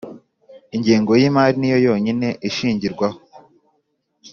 ingengo y’imari niyo yonyine ishingirwaho